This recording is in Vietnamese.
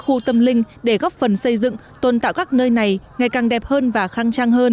khu tâm linh để góp phần xây dựng tôn tạo các nơi này ngày càng đẹp hơn và khăng trang hơn